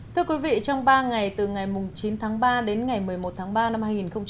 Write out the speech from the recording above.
thưa quý vị trong ba ngày từ ngày chín tháng ba đến ngày một mươi một tháng ba năm hai nghìn hai mươi